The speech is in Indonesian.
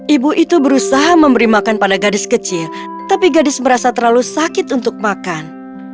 ibu itu berusaha memberi makan pada gadis kecil tapi gadis merasa terlalu sakit untuk makan